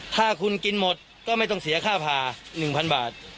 ถ้าคุณกินหมดก็ไม่ต้องเสียค่าผ่า๑๐๐บาท